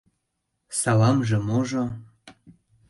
Саламже-можо...